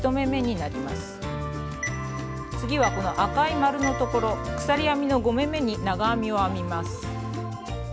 次はこの赤い丸のところ鎖編みの５目めに長編みを編みます。